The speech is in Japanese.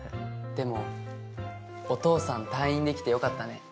でもお父さん退院できてよかったね。